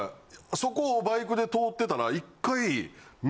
そこをバイクで通ってたら１回。